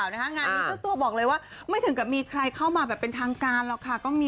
งานนี้เจ้าตัวบอกเลยว่าไม่ถึงกับมีใครเข้ามาแบบเป็นทางการหรอกค่ะ